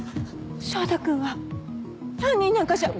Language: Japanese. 翔太君は犯人なんかじゃ。